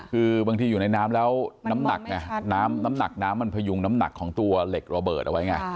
คือบางทีอยู่ในน้ำแล้วน้ำหนักไงน้ำหนักน้ำมันพยุงน้ำหนักของตัวเหล็กระเบิดเอาไว้ไง